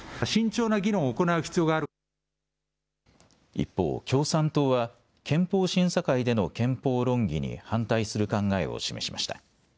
一方、共産党は憲法審査会での憲法論議に反対する考えを示しました。